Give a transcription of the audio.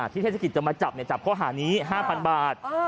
ที่เทศกิจจะมาจับเนี่ยจับข้อหานี้๕๐๐๐บาท